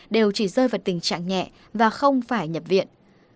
đều chỉ rơi vào tình trạng nhẹ và không phải nhập viện